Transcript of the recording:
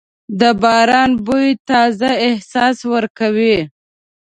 د باران بوی تازه احساس ورکوي.